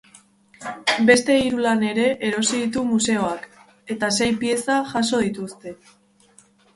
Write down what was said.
Beste hiru lan ere erosi ditu museoak, eta sei pieza jaso dituzte.